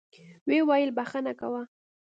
ويې ويل بخښه کوه.